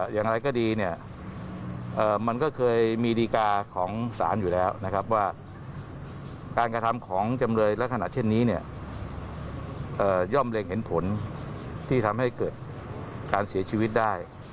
ย่อมเร็งเห็นผลที่ทำให้เกิดการเสียชีวิตได้